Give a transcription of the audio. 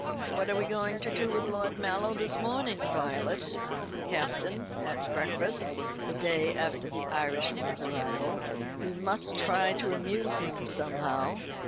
"What are we going to do with Lord Mallow this morning, Violet?" asked the Captain at breakfast, the day after the Irishman's arrival. "We must try to amuse him somehow."